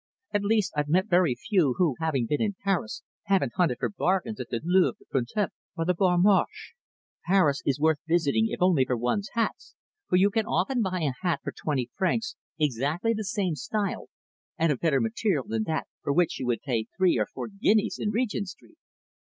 At least I've met very few who, having been in Paris, haven't hunted for bargains at the Louvre, the Printemps, or the Bon Marche. Paris is worth visiting if only for one's hats, for you can often buy a hat for twenty francs exactly the same style and of better material than that for which you pay three or four guineas in Regent Street."